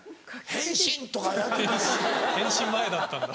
変身前だったんだ。